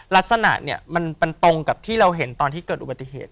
ลักษณะเนี่ยมันตรงกับที่เราเห็นตอนที่เกิดอุบัติเหตุ